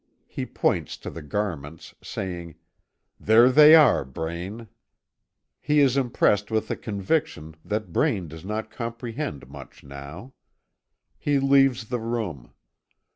He points to the garments, saying: "There they are, Braine." He is impressed with the conviction that Braine does not comprehend much now. He leaves the room.